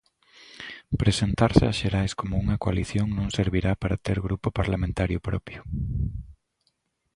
Presentarse ás Xerais como unha coalición non servirá para ter grupo parlamentario propio.